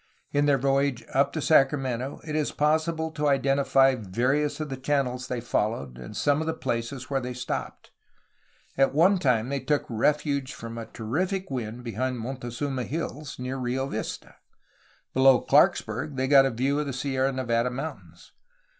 In their voyage up the Sacramento it is possible to identify various of the channels they followed and some of the places where they stopped. At one time they took refuge from a terrific wind behind Montezuma Hills, near Rio Vista. Below Clarksburg they got a view of the Sierra Nevada Mountains.